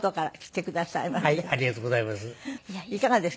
ありがとうございます。